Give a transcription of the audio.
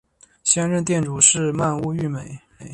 现任店主是鳗屋育美。